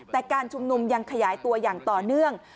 แต่การชุมนุมยังขยายตัวอย่างต่อเนื่อง